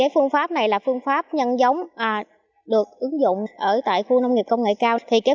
phương pháp này là phương pháp nhân giống được ứng dụng ở tại khu nông nghiệp công nghệ cao